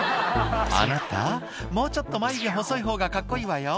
「あなたもうちょっと眉毛細いほうがカッコいいわよ」